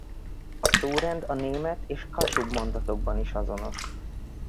A szórend a német és kasub mondatokban is azonos.